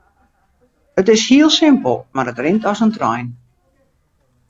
It is hiel simpel mar it rint as in trein.